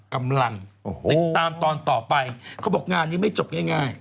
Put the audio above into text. กำลังติดตามตอนต่อไปเขาบอกงานนี้ไม่จบง่าย